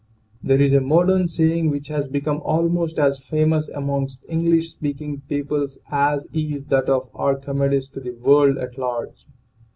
There is a modern saying which has become almost as famous amongst English speaking peoples as is that of Archimedes to the world at large.